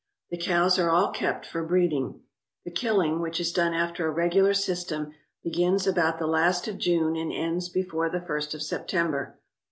The cows are all kept for breeding. The killing, which is done after a regular system, begins about the last of June and ends before the first of September.